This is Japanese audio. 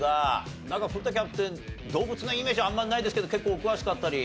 なんか古田キャプテン動物のイメージあんまりないですけど結構お詳しかったり？